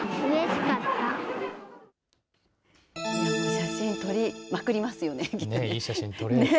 写真撮りまくりますよね、きっとね。